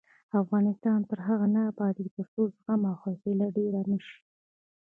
افغانستان تر هغو نه ابادیږي، ترڅو زغم او حوصله ډیره نشي.